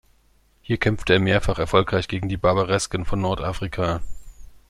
Hier kämpfte er mehrfach erfolgreich gegen die Barbaresken von Nordafrika.